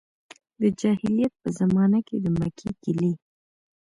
د جاهلیت په زمانه کې د مکې کیلي.